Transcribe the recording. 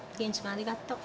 ありがとう。